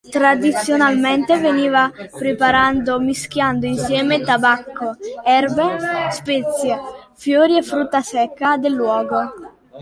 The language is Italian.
Tradizionalmente veniva preparando mischiando insieme tabacco, erbe, spezie, fiori e frutta secca del luogo.